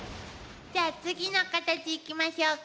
じゃあ次のカタチいきましょうか。